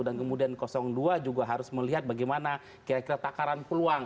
dan kemudian dua juga harus melihat bagaimana kira kira takaran peluang